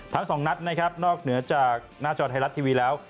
ทั้งสองนัดนะครับนอกเหนือจากหน้าจอไทยรัฐทีวีแล้ว